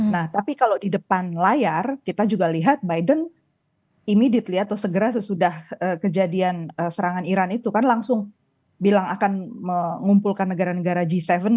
nah tapi kalau di depan layar kita juga lihat biden immidit atau segera sesudah kejadian serangan iran itu kan langsung bilang akan mengumpulkan negara negara g tujuh